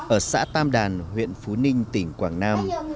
ở xã tam đàn huyện phú ninh tỉnh quảng nam